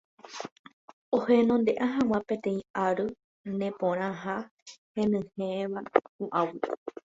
ohenonde'a hag̃ua peteĩ ary neporã ha henyhẽva po'águi